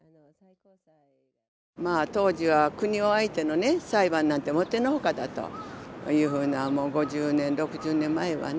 当時は国を相手の裁判なんてもってのほかだというふうな５０年６０年前はね